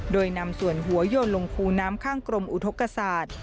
โดยนำส่วนหัวโยนลงคูน้ำข้างกรมอุทธกษาต